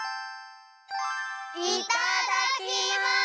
いただきます！